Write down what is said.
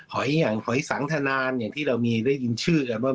อย่างหอยสังทนานอย่างที่เรามีได้ยินชื่อกันว่า